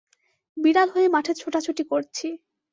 বিড়াল হয়ে মাঠে ছোটাছুটি করছি।